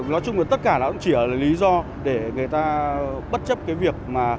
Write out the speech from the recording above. nói chung là tất cả nó cũng chỉ là lý do để người ta bất chấp cái việc mà